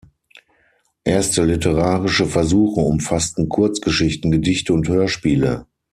Erste literarische Versuche umfassten Kurzgeschichten, Gedichte und Hörspiele.